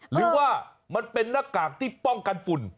หรือว่ามันเป็นหน้ากากที่ป้องกันฝุ่น